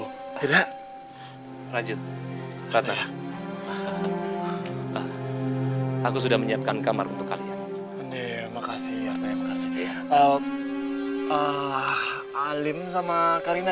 hai tidak rajin rata aku sudah menyiapkan kamar untuk kalian makasih alim sama karina